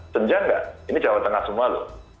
senjang nggak ini jawa tengah semua loh